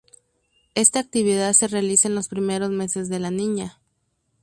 Esta actividad se realiza en los primeros meses de la niña.